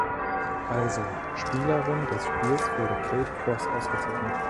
Also Spielerin des Spiels wurde Kate Cross ausgezeichnet.